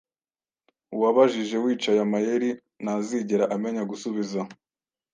Uwabajije, wicaye amayeri, Ntazigera amenya gusubiza.